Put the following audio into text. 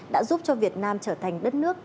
đã giúp cho việt nam trở thành đất nước